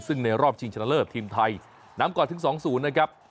ซึ่งในรอบชิงชนะเลิศทีมไทยนำก่อนถึง๒๐นะครับ